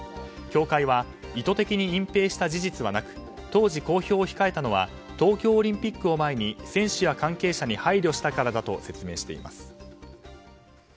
協会は意図的に隠ぺいした事実はなく当時、公表を控えたのは東京オリンピックを前に選手や関係者に配慮したからだと説明しています。